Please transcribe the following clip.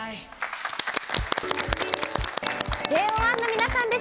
ＪＯ１の皆さんです。